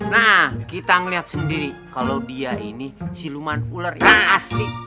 nah kita melihat sendiri kalau dia ini siluman ular yang asli